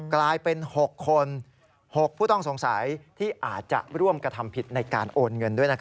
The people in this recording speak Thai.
กลายเป็น๖คน๖ผู้ต้องสงสัยที่อาจจะร่วมกระทำผิดในการโอนเงินด้วย